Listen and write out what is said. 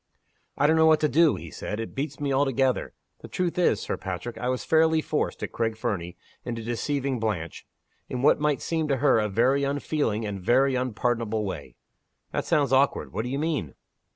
"I don't know what to do," he said. "It beats me altogether. The truth is, Sir Patrick, I was fairly forced, at Craig Fernie, into deceiving Blanche in what might seem to her a very unfeeling, and a very unpardonable way." "That sounds awkward! What do you mean?"